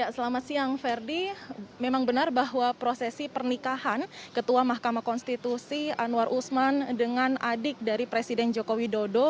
selamat siang ferdi memang benar bahwa prosesi pernikahan ketua mahkamah konstitusi anwar usman dengan adik dari presiden joko widodo